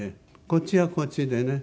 こっちはこっちでね